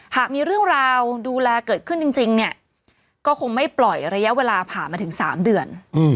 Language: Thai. หากมีเรื่องราวดูแลเกิดขึ้นจริงเนี่ยก็คงไม่ปล่อยระยะเวลาผ่านมาถึง๓เดือน